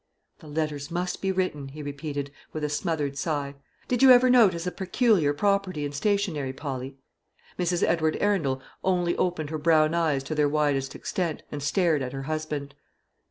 "The letters must be written," he repeated, with a smothered sigh. "Did you ever notice a peculiar property in stationery, Polly?" Mrs. Edward Arundel only opened her brown eyes to their widest extent, and stared at her husband.